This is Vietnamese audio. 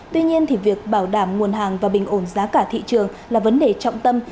tuy nhiên việc bảo đảm nguồn hàng và bình ổn giá cả thị trường là vấn đề trọng tâm